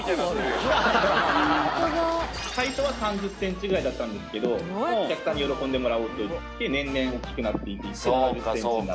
最初は３０ｃｍぐらいだったんですけどお客さんに喜んでもらおうと年々大きくなって７０ｃｍに。